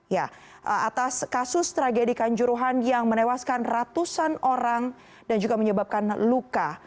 ya atas kasus tragedi kanjuruhan yang menewaskan ratusan orang dan juga menyebabkan luka